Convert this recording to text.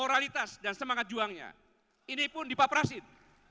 dan moralitas dan semangat juangnya ini pun dipaprasin